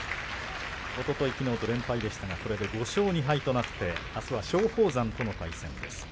おととい、きのうと連敗でしたがこれで５勝２敗となってあすは松鳳山との対戦です。